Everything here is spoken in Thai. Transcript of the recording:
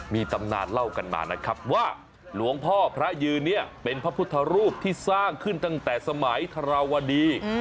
มีตำนานเล่ากันมานะครับว่าหลวงพ่อพระยืนเนี่ยเป็นพระพุทธรูปที่สร้างขึ้นตั้งแต่สมัยธรวดี